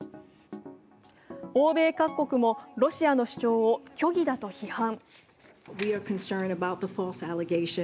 欧米各国もロシアの主張を虚偽だと批判。